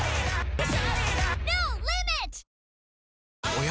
おや？